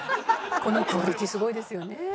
このクオリティーすごいですよね。